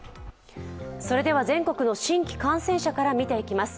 全国の新規感染者から見ていきます。